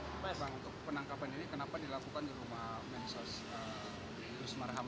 bapak ibu untuk penangkapan ini kenapa dilakukan di rumah mensos dus marham